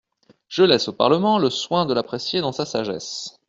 Je laisse au Parlement le soin de l’apprécier, dans sa sagesse.